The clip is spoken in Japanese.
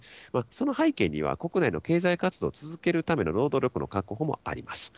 その背景には、国内の経済活動を続けるための労働力の確保もあります。